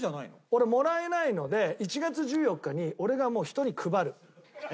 俺もらえないので１月１４日に俺がもう人に配る。